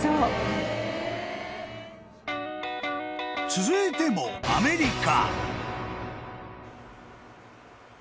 ［続いてもアメリカ］